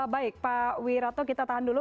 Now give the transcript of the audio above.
baik pak wiratto kita tahan dulu